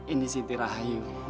ini si tirayu